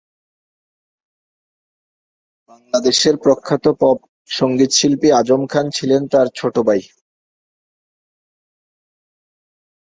বাংলাদেশের প্রখ্যাত পপ সঙ্গীত শিল্পী আজম খান ছিলেন তার ছোট ভাই।